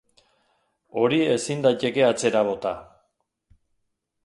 Hori ezin daiteke atzera bota.